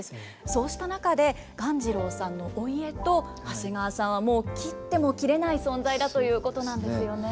そうした中で鴈治郎さんのお家と長谷川さんはもう切っても切れない存在だということなんですよね。